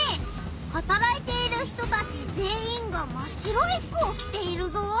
はたらいている人たちぜんいんがまっ白いふくをきているぞ？